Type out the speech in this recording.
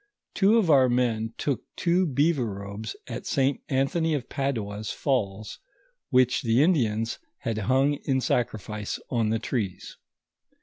Two of our men took two beaver robes at St. Anthony of Padua's falls, M'hich the Indians had hung in sacrifice on the trees.